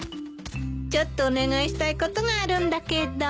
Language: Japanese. ちょっとお願いしたいことがあるんだけど。